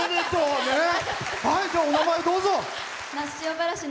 お名前どうぞ。